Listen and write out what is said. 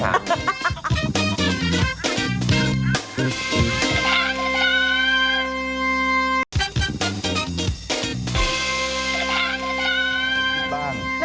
นั่นแหละ